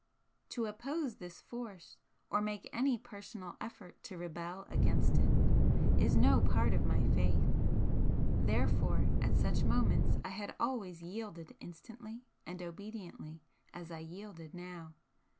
To oppose this force or make any personal effort to rebel against it, is no part of my faith, therefore at such moments I had always yielded instantly and obediently as I yielded now.